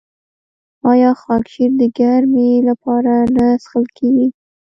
آیا خاکشیر د ګرمۍ لپاره نه څښل کیږي؟